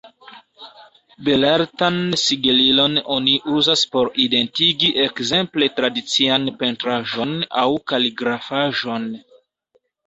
Belartan sigelilon oni uzas por identigi ekzemple tradician pentraĵon aŭ kaligrafaĵon.